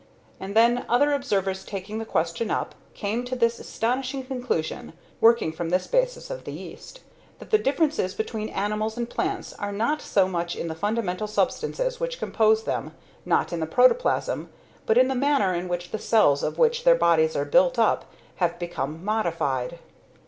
And then other observers, taking the question up, came to this astonishing conclusion (working from this basis of the yeast), that the differences between animals and plants are not so much in the fundamental substances which compose them, not in the protoplasm, but in the manner in which the cells of which their bodies are built up have become modified.